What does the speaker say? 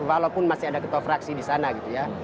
walaupun masih ada ketua fraksi di sana gitu ya